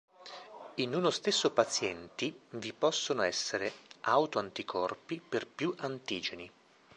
In uno stesso pazienti vi possono essere autoanticorpi per più antigeni.